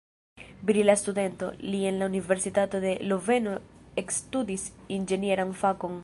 Brila studento, li en la universitato de Loveno ekstudis inĝenieran fakon.